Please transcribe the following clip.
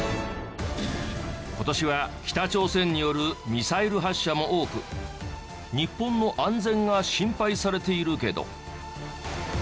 今年は北朝鮮によるミサイル発射も多く日本の安全が心配されているけど。